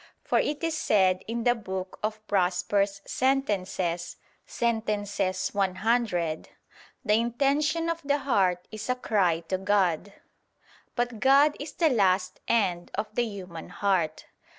For it is said in the book of Prosper's Sentences (Sent. 100): "The intention of the heart is a cry to God." But God is the last end of the human heart.